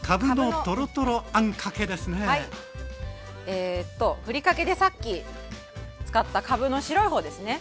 えとぶりかけでさっき使ったかぶの白い方ですね